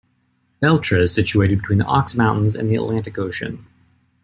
Beltra is situated between the Ox Mountains and the Atlantic Ocean.